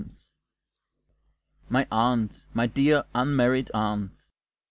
MY AUNT My aunt! my dear unmarried aunt!